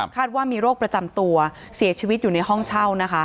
ว่ามีโรคประจำตัวเสียชีวิตอยู่ในห้องเช่านะคะ